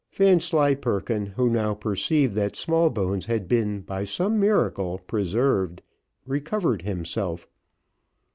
Vanslyperken, who now perceived that Smallbones had been by some miracle preserved, recovered himself.